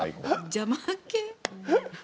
邪魔っけ。